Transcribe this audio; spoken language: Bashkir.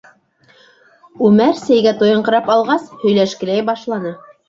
Үмәр, сәйгә туйыңҡырап алғас, һөйләшкеләй башланы: